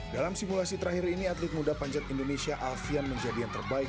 dalam simulasi terakhir ini atlet muda panjat indonesia alfian menjadi yang terbaik